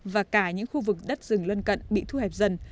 và cả những khu vực đất rừng lân cận bị thu hẹp dần